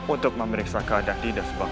untuk memeriksakan adat di dasbar